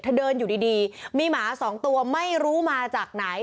เธอเดินอยู่ดีมีหมาสองตัวไม่รู้มาจากไหน